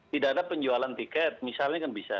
tidak ada penjualan tiket misalnya kan bisa